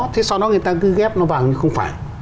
thế sau đó người ta cứ ghép nó vào như không phải